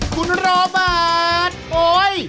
คุณรอบาทโอ๊ย